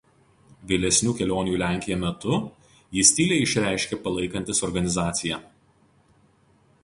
Vėlesnių kelionių į Lenkiją metu jis tyliai išreiškė palaikantis organizaciją.